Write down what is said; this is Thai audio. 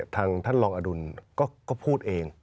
ท่านรองอดุลก็พูดเอง